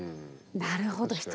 なるほど。